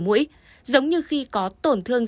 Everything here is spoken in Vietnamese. mũi giống như khi có tổn thương